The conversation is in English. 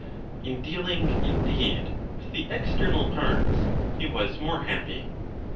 In dealing, indeed, with the external parts he was more happy.